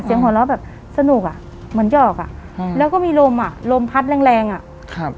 หัวเราะแบบสนุกอ่ะเหมือนหยอกอ่ะอืมแล้วก็มีลมอ่ะลมพัดแรงแรงแรงอ่ะครับ